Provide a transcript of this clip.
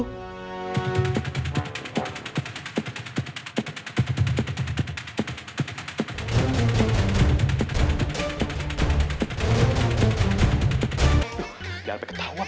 udah sampe ketauan